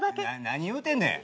何言うてんねん。